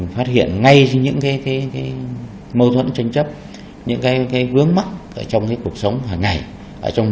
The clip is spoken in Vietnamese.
phát hiện ngay những cái mâu thuẫn tránh chấp những cái vướng mắt trong cuộc sống